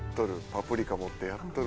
パプリカ持ってやっとる。